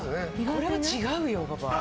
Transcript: これは違うよ、パパ。